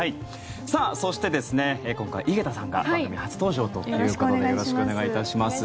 そして今回、井桁さんが番組初登場ということでよろしくお願いします。